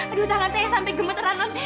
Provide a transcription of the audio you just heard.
aduh tangannya sampai gemetaran non